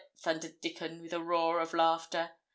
thundered Dickon, with a roar of laughter.